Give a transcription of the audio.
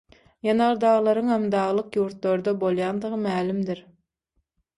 ýanardaglaryňam daglyk ýurtlarda bolýandygy mälimdir.